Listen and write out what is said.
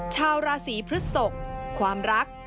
ชาวราศีพฤศกความรัก